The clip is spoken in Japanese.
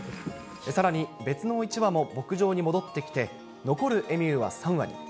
さらに別の１羽も牧場に戻ってきて、残るエミューは３羽に。